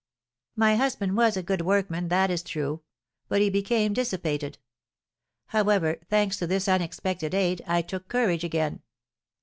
"My husband was a good workman, that is true; but he became dissipated. However, thanks to this unexpected aid, I took courage again.